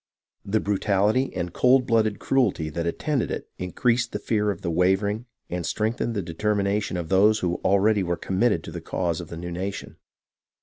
The brutality and cold blooded cruelty that attended it increased the fear of the wavering, and strengthened the determination of those who already were committed to the cause of the new nation.